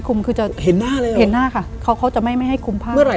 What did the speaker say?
คือเขาจะไม่ให้คุมผ้า